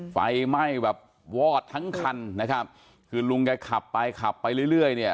ไฟไหม้แบบวอดทั้งคันนะครับคือลุงแกขับไปขับไปเรื่อยเรื่อยเนี่ย